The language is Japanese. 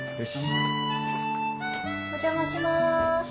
お邪魔します。